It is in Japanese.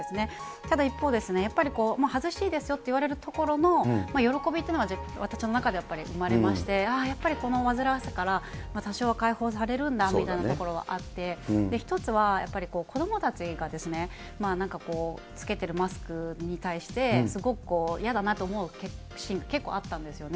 ただ一方、やっぱり外していいですよっていわれるところの喜びっていうのは私の中ではやっぱりうまれまして、やっぱりこのわずらわしさから多少は解放されるんだみたいなところはあって、１つはやっぱり子どもたちが着けてるマスクに対して、すごく嫌だなと思うシーンが結構あったんですよね。